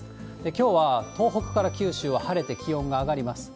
きょうは東北から九州は晴れて、気温が上がります。